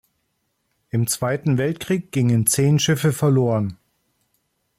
Im Zweiten Weltkrieg gingen zehn Schiffe verloren.